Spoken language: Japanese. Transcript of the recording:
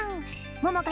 ももか